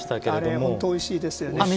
あれ、本当においしいですよね。